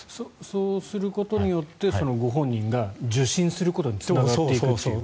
そうすることによってご本人が受診することにつながっていくという。